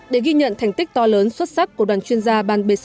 để ghi nhận thành tích to lớn xuất sắc của đoàn chuyên gia ban b sáu mươi tám